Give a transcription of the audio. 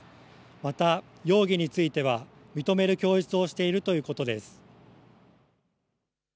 また容疑については、認める供述をしているということです。